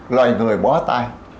loài người bó tay